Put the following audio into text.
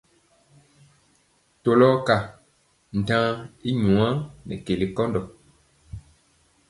Tɔlɔ ka ntaŋa i nwaa nɛ keli nkɔndɔ.